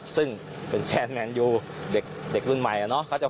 ซึ่งเป็นแฟนแมนยูเด็กรุ่นใหม่อะเนาะ